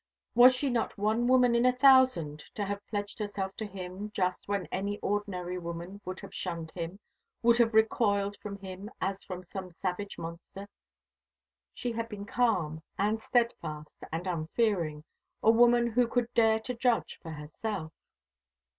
Was she not one woman in a thousand to have pledged herself to him just when any ordinary woman would have shunned him would have recoiled from him as from some savage monster? She had been calm, and steadfast, and unfearing, a woman who could dare to judge for herself.